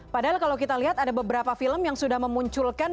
padahal kalau kita lihat ada beberapa film yang sudah memunculkan